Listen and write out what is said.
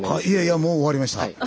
いやいやもう終わりました。